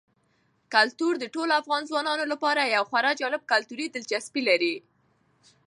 کلتور د ټولو افغان ځوانانو لپاره یوه خورا جالب کلتوري دلچسپي لري.